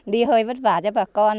đi hơi vất vả cho bà con